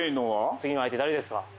次の相手誰ですか？